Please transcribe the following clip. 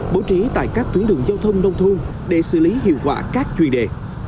bố trí tại các tuyến đường giao thông nông thôn để xử lý hiệu quả các chuyên đề